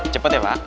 cepet ya pak